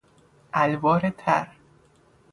الوار تر